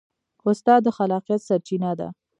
استاد د خلاقیت سرچینه ده.